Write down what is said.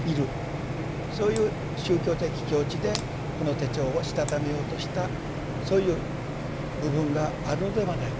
そういう宗教的境地でこの手帳をしたためようとしたそういう部分があるのではないか。